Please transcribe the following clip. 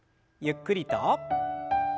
ゆっくりと。